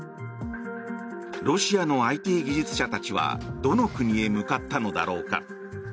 ロシアのＩＴ技術者たちはどの国に向かったのだろうか。